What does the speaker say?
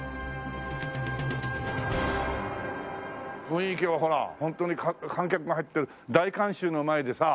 雰囲気はほらホントに観客が入ってる大観衆の前でさ